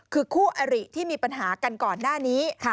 คือคู่อริที่มีปัญหากันก่อนหน้านี้